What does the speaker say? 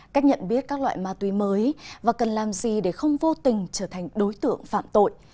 cách nhận biết các loại ma túy mới và cần làm gì để không vô tình trở thành đối tượng phạm tội